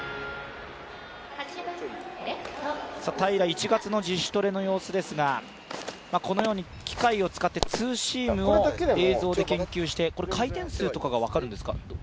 平良、１月の自主トレの様子ですが、このように機械を使ってツーシームを映像で研究して、これ回転数とかが分かるんですか？